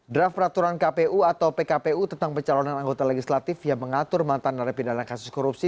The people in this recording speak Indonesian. draft peraturan kpu atau pkpu tentang pencalonan anggota legislatif yang mengatur mantan narapidana kasus korupsi